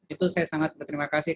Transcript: itu saya sangat berterima kasih